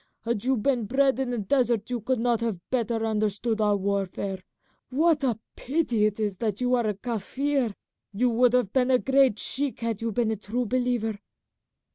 Had you been bred in the desert you could not have better understood our warfare. What a pity it is that you are a Kaffir! You would have been a great sheik had you been a true believer."